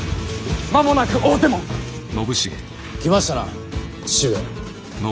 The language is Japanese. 間もなく大手門！来ましたな父上。